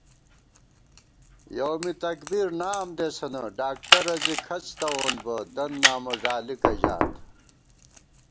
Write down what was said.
یوم تکبیر نام دېسَنہ ڈاکترہ زی کھڅ تَوونبہ دن نامہ ݫالِکہ ژات